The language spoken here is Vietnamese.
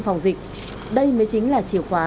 phòng dịch đây mới chính là chìa khóa